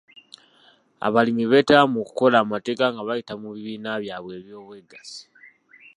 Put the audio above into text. Abalimi beetaba mu kukola amateeka nga bayita mu bibiina byabwe by'obwegassi.